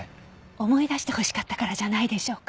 思い出してほしかったからじゃないでしょうか？